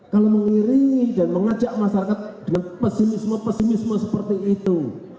kalau mengiringi dan mengajak masyarakat dengan pesimisme pesimisme seperti itu